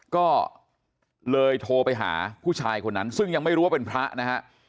ก็เลยโทรไปหาผู้ชายคนนั้นซึ่งยังไม่รู้ว่าเป็นพระนะฮะ